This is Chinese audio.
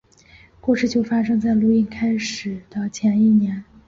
故事就发生在录音开始的前一年。